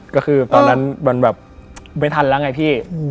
ก็คือตอนนั้นมันแบบไม่ทันแล้วไงพี่